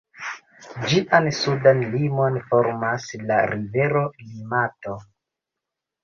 Ĝian sudan limon formas la rivero Limato.